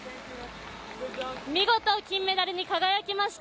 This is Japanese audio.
見事金メダルに輝きました